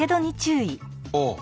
ああ。